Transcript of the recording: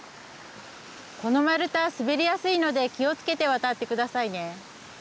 この丸太滑りやすいので気を付けて渡って下さいね。